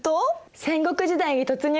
戦国時代に突入！？